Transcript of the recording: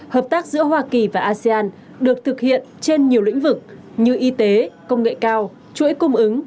hợp tác giữa hoa kỳ và asean được thực hiện trên nhiều lĩnh vực như y tế công nghệ cao chuỗi cung ứng